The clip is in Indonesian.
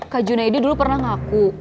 kak junaidi dulu pernah ngaku